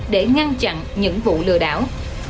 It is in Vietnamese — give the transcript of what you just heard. để ngăn chặn những vụ lừa đảo